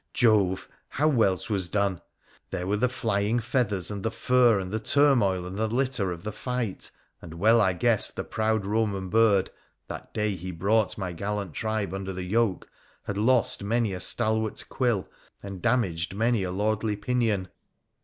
Jove ! how well 'twas done ! There were the flying feathers, and the fur and the turmoil and the litter of the fight, and well I guessed the proud Roman bird — that day he brought my gallant tribe under the yoke — had lost many a stalwart quill, and damaged many a lordly pinion